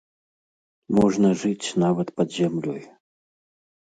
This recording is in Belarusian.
Можна жыць нават пад зямлёй.